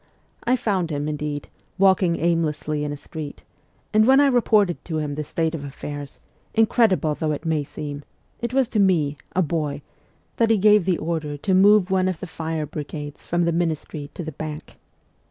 I found him, indeed, walking aimlessly in a street ; and when I reported to him the state of affairs, incredible though it may seem, it was to me, a boy, that he gave the order to move one of the fire brigades from the Ministry to the Bank.